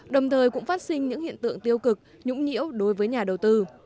đồng thời cũng phát sinh những hiện tượng tiêu cực nhũng nhiễu đối với nhà đầu tư